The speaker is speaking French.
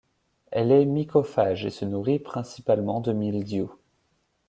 Elle est mycophage, et se nourrit principalement de mildiou.